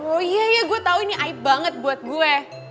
oh iya ya gue tau ini aib banget buat gue